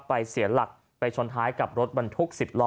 เสียหลักไปชนท้ายกับรถบรรทุก๑๐ล้อ